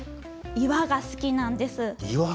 岩が好きなんです。